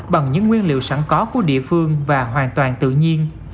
bằng những nguyên liệu sẵn có của địa phương và hoàn toàn tự nhiên